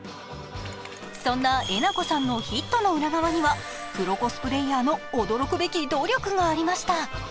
そんなえなこさんのヒットの裏側にはプロコスプレーヤーの驚くべき努力がありました。